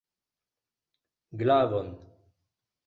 Glavon!